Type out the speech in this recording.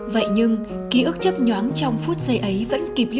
vậy nhưng ký ức chấp nhoáng trong phút giây ấy vẫn kịp thời